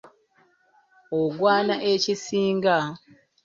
Oggwana ekisinga.